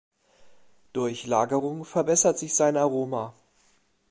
Durch Lagerung verbessert sich sein Aroma.